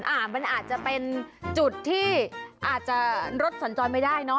อาจจะเป็นจุดที่อาจจะรถสัญจรไม่ได้เนอะ